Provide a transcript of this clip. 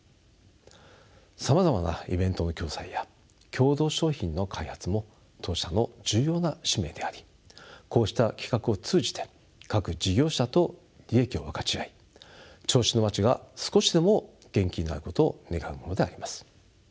さまざまなイベントの共催や共同商品の開発も当社の重要な使命でありこうした企画を通じて各事業者と利益を分かち合い銚子の街が少しでも元気になることを願うものであります。